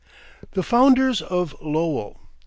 THE FOUNDERS OF LOWELL.